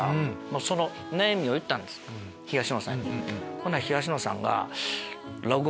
ほんなら東野さんが。